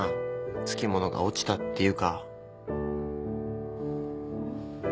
つきものが落ちたっていうか。